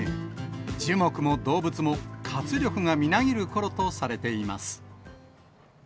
樹木も動物も、活力がみなぎるころとされています。